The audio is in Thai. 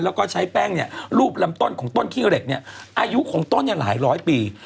แล้วก็ใช้แป้งรูปลำต้นของต้นขี้เหล็กอายุของต้นอย่างหลายร้อยปี